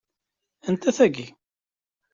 Anta tagi?